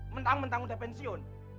mentang mentang udah pensiun